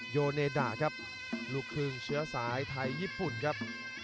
โยเนดาครับลูกครึ่งเชื้อสายไทยญี่ปุ่นครับ